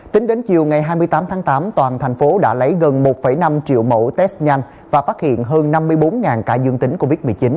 tính đến chiều ngày hai mươi tám tháng tám toàn thành phố đã lấy gần một năm triệu mẫu test nhanh và phát hiện hơn năm mươi bốn ca dương tính covid một mươi chín